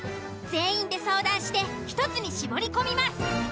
全員で相談して１つに絞り込みます。